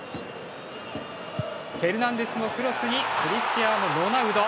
フェルナンデスのクロスにクリスチアーノロナウド。